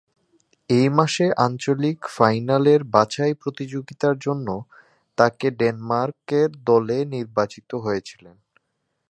একই মাসে আঞ্চলিক ফাইনালের বাছাই প্রতিযোগিতার জন্য তাকে ডেনমার্কের দলে নির্বাচিত হয়েছিল।